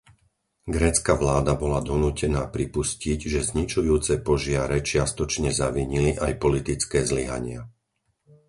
Grécka vláda bola donútená pripustiť, že zničujúce požiare čiastočne zavinili aj politické zlyhania.